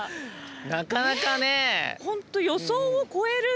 なかなかね。